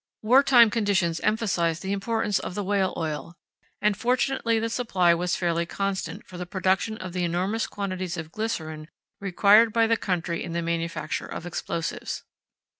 Wartime conditions emphasized the importance of the whale oil, and fortunately the supply was fairly constant for the production of the enormous quantities of glycerine required by the country in the manufacture of explosives.